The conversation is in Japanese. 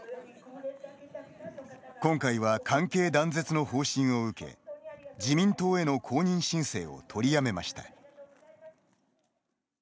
今回は関係断絶の方針を受け自民党への公認申請を取りやめました。